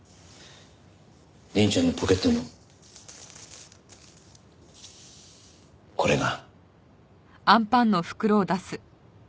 凛ちゃんのポケットにこれが。